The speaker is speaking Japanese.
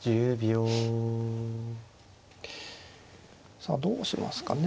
さあどうしますかね。